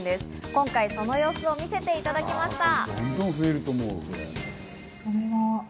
今回その様子を見させていただきました。